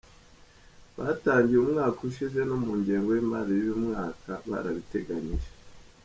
Batangiye umwaka ushize no mu ngengo y’imari y’uyu mwaka barabiteganyije.